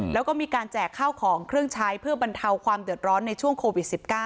แล้วก็มีการแจกข้าวของเครื่องใช้เพื่อบรรเทาความเดือดร้อนในช่วงโควิด๑๙